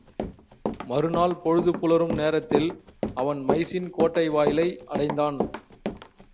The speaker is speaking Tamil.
மறு நாள் பொழுது புலரும் நேரத்தில் அவன் மைசீன் கோட்டை வாயிலை அடைந்தான்.